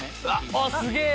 あっすげえ！